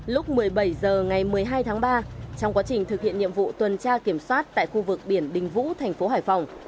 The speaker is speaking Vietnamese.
lúc một mươi bảy h ngày một mươi hai tháng ba trong quá trình thực hiện nhiệm vụ tuần tra kiểm soát tại khu vực biển đình vũ thành phố hải phòng